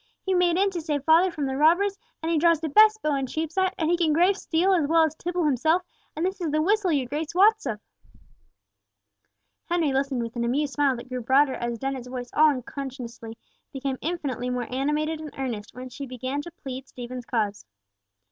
He made in to save father from the robbers, and he draws the best bow in Cheapside, and he can grave steel as well as Tibble himself, and this is the whistle your Grace wots of." Henry listened with an amused smile that grew broader as Dennet's voice all unconsciously became infinitely more animated and earnest, when she began to plead Stephen's cause.